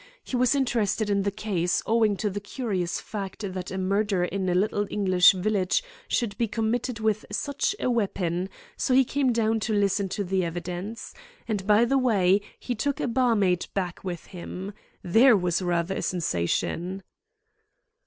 He was interested in the case, owing to the curious fact that a murder in a little English village should be committed with such a weapon, so he came down to listen to the evidence. And, by the way, he took a barmaid back with him. There was rather a sensation."